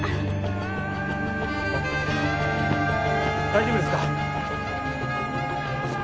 大丈夫ですか？